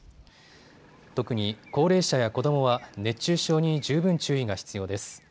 特に高齢者や子どもは熱中症に十分注意が必要です。